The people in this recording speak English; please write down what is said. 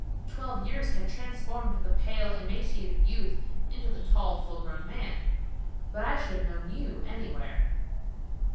"Twelve years have transformed the pale, emaciated youth into the tall, full grown man. But I should have known you anywhere."